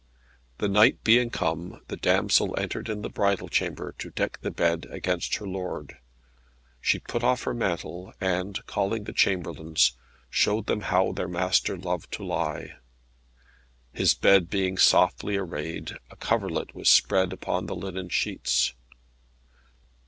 The night being come the damsel entered in the bridal chamber to deck the bed against her lord. She put off her mantle, and calling the chamberlains, showed them how their master loved to lie. His bed being softly arrayed, a coverlet was spread upon the linen sheets.